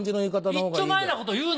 いっちょまえなこと言うな！